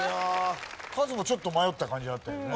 カズもちょっと迷った感じあったよね。